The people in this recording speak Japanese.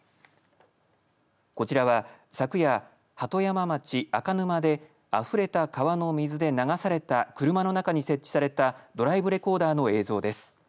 こちらは昨夜鳩山町赤沼であふれた川の水で流された車の中に設置されたドライブレコーダーの映像です。